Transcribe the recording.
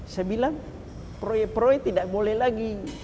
saya bilang proyek proyek tidak boleh lagi